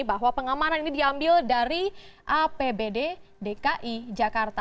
bahwa pengamanan ini diambil dari apbd dki jakarta